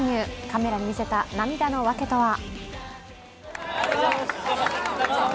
カメラに見せた涙の訳とは？